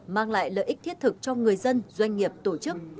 mang lại lợi ích thiết thực cho người dân doanh nghiệp tổ chức